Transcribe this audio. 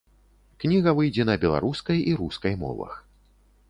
Кніга выйдзе на беларускай і рускай мовах.